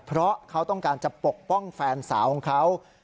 เพราะเขาต้องการจะปกป้องแฟนสาวของเขา